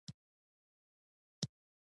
صمیمیت وښود.